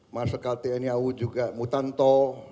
marsikal tni au juga mutanto